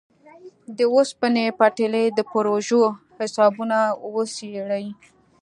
د اوسپنې پټلۍ د پروژو حسابونه وڅېړي.